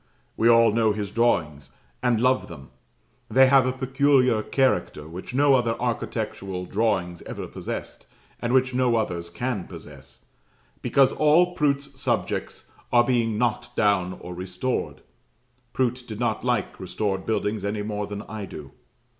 We all know his drawings, and love them: they have a peculiar character which no other architectural drawings ever possessed, and which no others can possess, because all Prout's subjects are being knocked down or restored. (Prout did not like restored buildings any more than I do.)